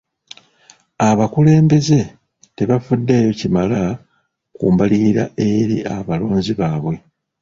Abakulembeze tebafuddeyo kimala ku mbalirira eri abalonzi baabwe.